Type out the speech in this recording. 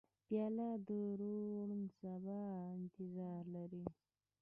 پیاله د روڼ سبا انتظار لري.